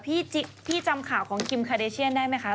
พี่จำข่าวของคิมคาเดเชียนได้ไหมคะ